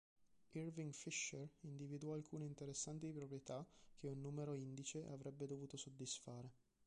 Irving Fisher individuò alcune interessanti proprietà che un numero indice avrebbe dovuto soddisfare.